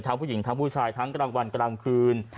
ถ้าผู้หญิงและผู้ชายทั้งกระดับวันกระดับคืน